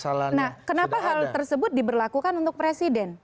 sudah ada nah kenapa hal tersebut diberlakukan untuk keputusan hukum